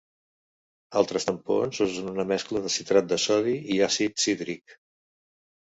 Altres tampons usen una mescla de citrat de sodi i àcid cítric.